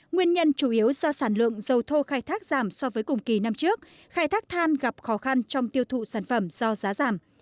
nguyên nhân chủ yếu do sản lượng dầu thô khai thác giảm so với cùng kỳ năm trước khai thác than gặp khó khăn trong tiêu thụ sản phẩm do giá giảm